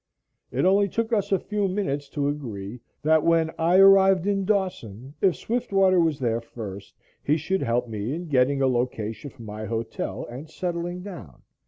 It only took us a few minutes to agree that when I arrived in Dawson, if Swiftwater was there first, he should help me in getting a location for my hotel and settling down.